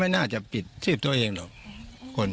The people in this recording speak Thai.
ไม่น่าจะปิดตัวเองหรอก